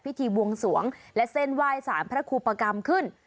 พิธีบวงสวงและเส้นไหว้สารพระครูปกรรมขึ้น